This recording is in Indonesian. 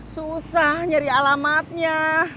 susah nyari alamatnya